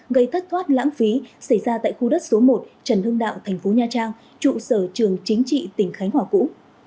gây thất thoát lãng phí xảy ra tại khu đất số một trần hương đạo tp nha trang trụ sở trường chính trị tỉnh khánh hòa cũ